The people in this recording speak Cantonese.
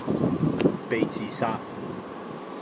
被自殺